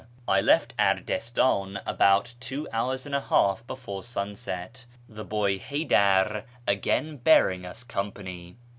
I left Ardist;'iu about two hours and a half before sunset, the boy Haydar again bearing us company.